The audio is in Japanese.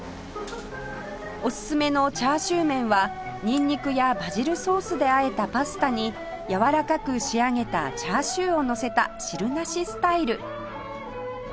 おすすめのチャーシュー麺はにんにくやバジルソースであえたパスタにやわらかく仕上げたチャーシューをのせた汁なしスタイル